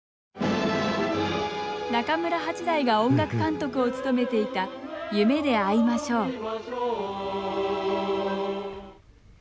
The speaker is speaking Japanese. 中村八大が音楽監督を務めていた「夢であいましょう」